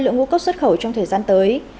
lượng ngũ cốc xuất khẩu trong thời gian tới